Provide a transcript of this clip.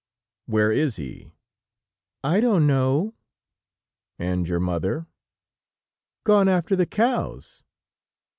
"Where is he?" "I don't know." "And your mother?" "Gone after the cows."